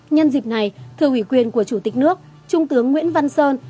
nhân dịp này thưa ủy quyền của chủ tịch nước trung tướng nguyễn văn sơn